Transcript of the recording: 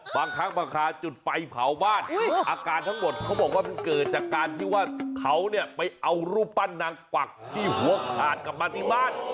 บางครั้งบางคาจุดไฟเผาบ้านอาการทั้งหมดเขาบอกว่ามันเกิดจากการที่ว่าเขาเนี่ยไปเอารูปปั้นนางกวักที่หัวขาดกลับมาที่บ้าน